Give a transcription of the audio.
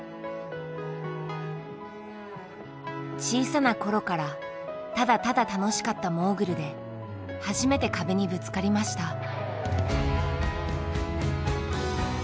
小さな頃からただただ楽しかったモーグルで初めて壁にぶつかりました。